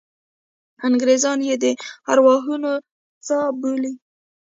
انګریزان یې د ارواحو څاه بولي.